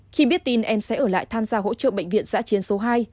khi biết tin em sẽ ở lại tham gia hỗ trợ bệnh viện giã chiến số hai